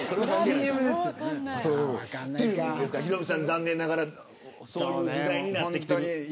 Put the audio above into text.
ヒロミさん、残念ながらそういう時代になってきてる。